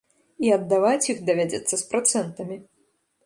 І аддаваць іх давядзецца з працэнтамі.